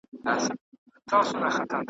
هغه له لوږي په زړو نتلي .